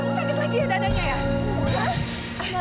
sakit lagi ya dadanya ya